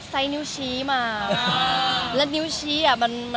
มีปิดฟงปิดไฟแล้วถือเค้กขึ้นมา